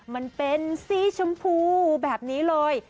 มันเป็นสีชมพูแบบนี้เลย